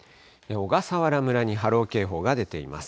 小笠原村に波浪警報が出ています。